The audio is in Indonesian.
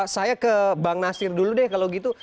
saya ke bang nasir dulu deh kalau gitu